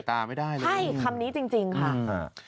ภาคสายตาไม่ได้เลย